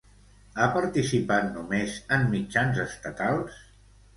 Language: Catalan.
Ha participat només en mitjans estatals?